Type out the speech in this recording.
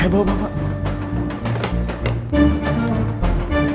terima kasih mary